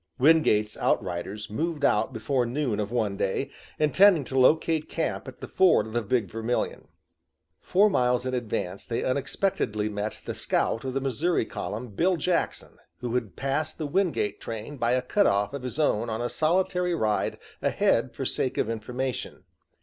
Wingate's outriders moved out before noon of one day, intending to locate camp at the ford of the Big Vermilion. Four miles in advance they unexpectedly met the scout of the Missouri column, Bill Jackson, who had passed the Wingate train by a cut off of his own on a solitary ride ahead for sake of information.